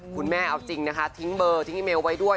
แม่เอาจริงนะคะทิ้งเบอร์ทิ้งอีเมลไว้ด้วย